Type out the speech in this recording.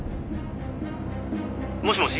「もしもし？」